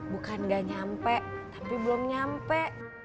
bukan gak nyampe tapi belum nyampe